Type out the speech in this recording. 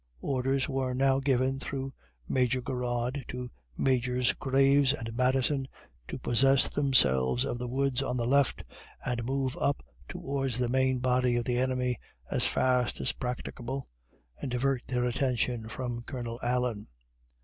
Orders were now given through Major Garrard to Majors Graves and Madison to possess themselves of the woods on the left, and move up towards the main body of the enemy as fast as practicable, and divert their attention from Colonel Allen.